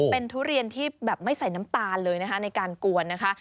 เป็นทุเรียนที่แบบไม่ใส่น้ำตาลเลยนะคะในการกวนนะคะ